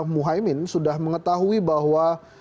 muhyamin sudah mengetahui bahwa